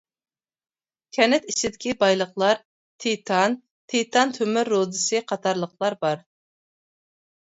كەنت ئىچىدىكى بايلىقلار تىتان، تىتان تۆمۈر رۇدىسى قاتارلىقلار بار.